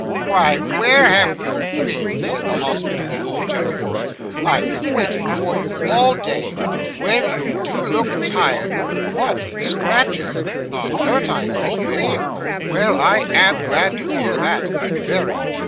'Why, where have you been?' said the hospitable old gentleman; 'I've been waiting for you all day. Well, you do look tired. What! Scratches! Not hurt, I hope eh? Well, I am glad to hear that very.